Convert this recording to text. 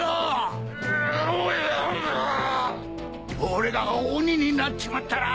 俺が鬼になっちまったら。